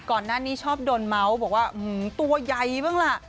ก่อนหน้านี้ชอบโดนเมาส์บอกว่าตัวใหญ่บ้างล่ะ